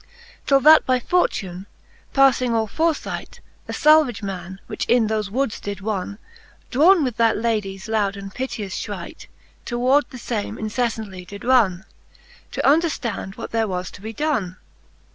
IL Till that by fortune, pafling all forefight, A falvage man, which in thofe woods did wonne, Drawne with that Ladies loud and piteous fhright, Toward the iame inceflantly did ronne. To underftand what there was to be donne.